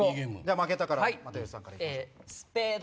負けたから又吉さんから行きましょう。